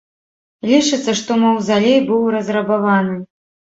Лічыцца, што маўзалей быў разрабаваны.